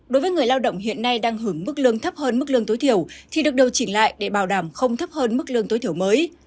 đối với người lao động hiện nay đang hưởng mức lương thấp hơn mức lương tối thiểu thì được điều chỉnh lại để bảo đảm không thấp hơn mức lương tối thiểu mới